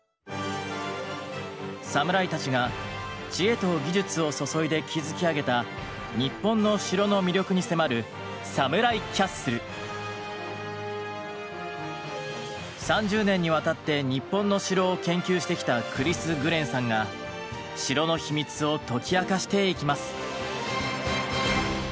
サムライたちが知恵と技術を注いで築き上げた日本の城の魅力に迫る３０年にわたって日本の城を研究してきたクリス・グレンさんが城の秘密を解き明かしていきます。